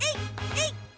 えい！